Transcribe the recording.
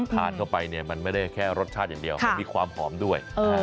ทานเท่ายังไงมันไม่แค่รสชาติอย่างเดียวมันมีความหอมด้วย